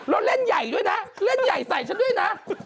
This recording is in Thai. แล้วเล่นใหญ่ด้วยนะเล่นใหญ่ใส่ฉันด้วยนะ